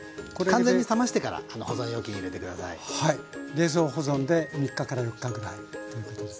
冷蔵保存で３４日くらいということですね。